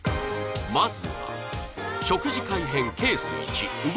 まずは